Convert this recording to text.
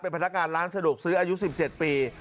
พนักงานร้านสะดวกซื้ออายุ๑๗ปี